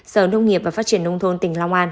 sở nông nghiệp và phát triển nông thôn tỉnh long an